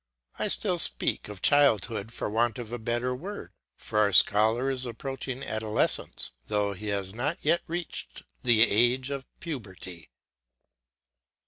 I still speak of childhood for want of a better word; for our scholar is approaching adolescence, though he has not yet reached the age of puberty.